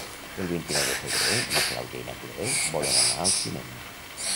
El vint-i-nou de febrer na Clàudia i na Cloè volen anar al cinema.